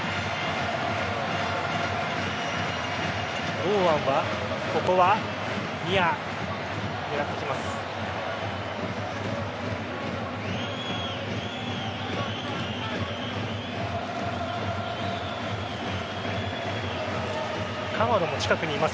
堂安はここはニア狙ってきます。